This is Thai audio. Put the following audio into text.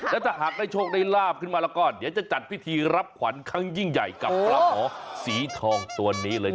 แล้วถ้าหากได้โชคได้ลาบขึ้นมาแล้วก็เดี๋ยวจะจัดพิธีรับขวัญครั้งยิ่งใหญ่กับปลาหมอสีทองตัวนี้เลย